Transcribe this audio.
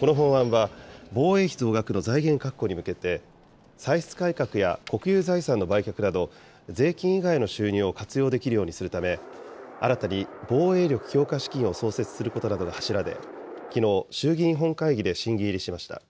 この法案は、防衛費増額の財源確保に向けて、歳出改革や国有財産の売却など、税金以外の収入を活用できるようにするため、新たに防衛力強化資金を創設することなどが柱で、きのう衆議院本会議で審議入りしました。